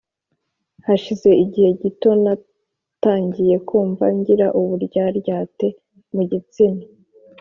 Hashize igihe gito, natangiye kumva ngira uburyaryate mu gitsina.